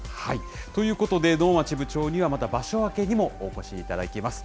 ということで、能町部長にはまた場所明けにもお越しいただきます。